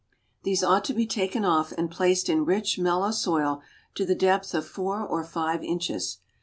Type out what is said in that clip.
These ought to be taken off and placed in rich, mellow soil to the depth of four or five inches.